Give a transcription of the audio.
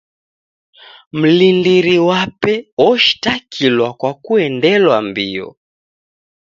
Mlindiri wape oshitakilwa kwa kuendelwa mbio.